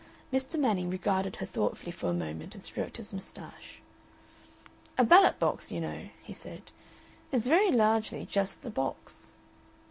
Mr. Manning regarded her thoughtfully for a moment and stroked his mustache. "A ballot box, you know," he said, "is very largely just a box."